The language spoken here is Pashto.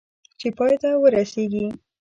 چې پای ته ورسېږي .